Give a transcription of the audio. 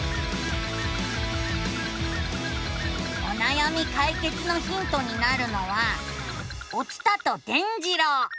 おなやみかいけつのヒントになるのは「お伝と伝じろう」！